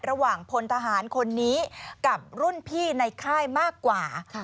พลทหารคนนี้กับรุ่นพี่ในค่ายมากกว่า